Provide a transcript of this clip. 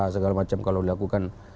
segala macam kalau dilakukan